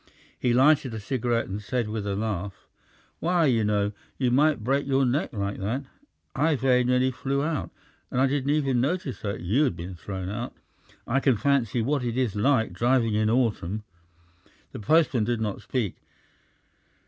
He lighted a cigarette and said with a laugh: "Why you know, you might break your neck like that! I very nearly flew out, and I didn't even notice you had been thrown out. I can fancy what it is like driving in autumn!" The postman did not speak.